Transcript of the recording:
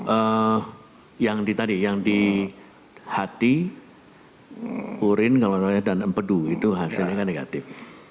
eee yang di tadi yang di hati urin kalau namanya dan empedu itu hasilnya kan negatif